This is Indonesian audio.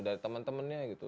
dari teman temannya gitu